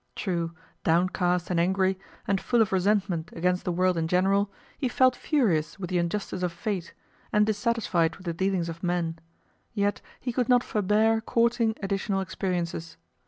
True, downcast and angry, and full of resentment against the world in general, he felt furious with the injustice of fate, and dissatisfied with the dealings of men; yet he could not forbear courting additional experiences.